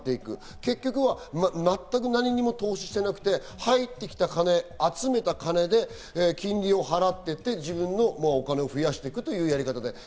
結局は全く何にも投資していなくて入ってきた金、集めた金で金利を払っていって、自分のお金を増やしていくというやり方。